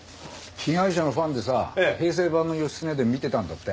被害者のファンでさ平成版の『義経伝』見てたんだって。